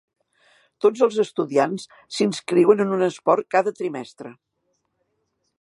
Tots els estudiants s'inscriuen en un esport cada trimestre.